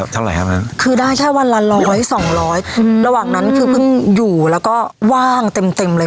เท่าไหร่ครับนั้นคือได้แค่วันละร้อยสองร้อยอืมระหว่างนั้นคือเพิ่งอยู่แล้วก็ว่างเต็มเต็มเลย